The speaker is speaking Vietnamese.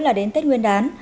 là đến tết nguyên đán